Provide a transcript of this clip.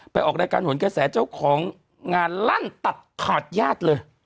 ออกรายการหวนกระแสเจ้าของงานลั่นตัดขาดญาติเลย